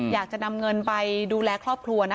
อยากจะนำเงินไปดูแลครอบครัวนะ